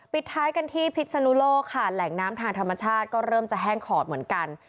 ปิดท้ายกันที่พิษนุโลกค่ะแหล่งน้ำทางธรรมชาติก็เริ่มจะแห้งขอดเหมือนกัน